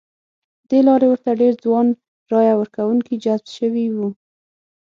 ه دې لارې ورته ډېر ځوان رایه ورکوونکي جذب شوي وو.